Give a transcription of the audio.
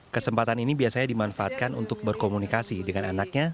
kesempatan ini biasanya dimanfaatkan untuk berkomunikasi dengan anaknya